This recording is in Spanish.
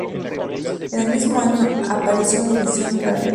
En el mismo año, apareció una edición para Perú.